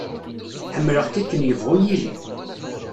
Ḥemmleɣ-k akken yebɣu yili.